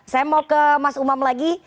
saya mau ke mas umam lagi